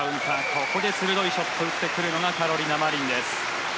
ここで鋭いショットを打ってくるのがカロリナ・マリンです。